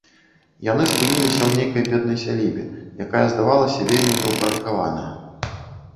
Яны спыніліся ў нейкай беднай сялібе, якая здавалася вельмі неўпарадкаваная.